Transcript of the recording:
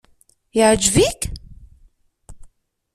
Yeɛjeb-ik?